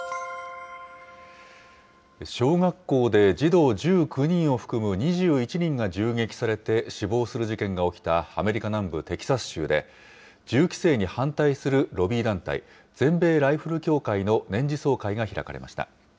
小学校で児童１９人を含む２１人が銃撃されて死亡する事件が起きたアメリカ南部テキサス州で、銃規制に反対するロビー団体、全米ライフル協会の年次総会が開かれました。